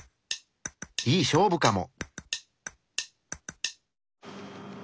いい勝負かも。